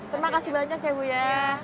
terima kasih banyak ya bu ya